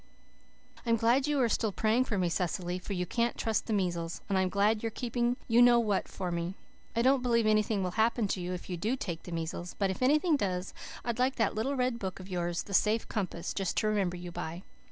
"I'm glad you are still praying for me, Cecily, for you can't trust the measles. And I'm glad you're keeping you know what for me. I don't believe anything will happen to you if you do take the measles; but if anything does I'd like that little red book of yours, The Safe Compass, just to remember you by.